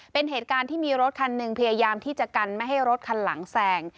เป็นเหตุการณ์ที่มีรถคันหนึ่งพยายามที่จะกันไม่ให้รถคันหลังแสง